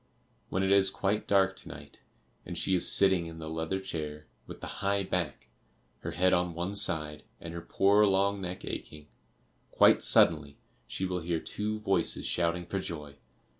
When it is quite dark to night, and she is sitting in the leather chair with the high back, her head on one side, and her poor long neck aching, quite suddenly she will hear two voices shouting for joy.